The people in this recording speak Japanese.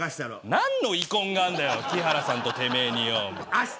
何の遺恨があんだよ木原さんとてめえによ。